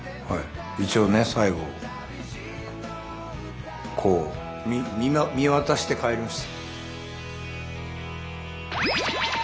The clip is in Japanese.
一応ね最後こう見渡して帰ります。